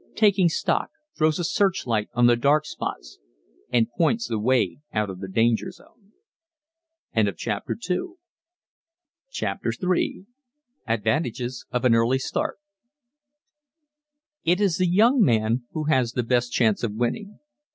"Taking stock" throws a searchlight on the dark spots and points the way out of the danger zone. CHAPTER III ADVANTAGES OF AN EARLY START It is the young man who has the best chance of winning.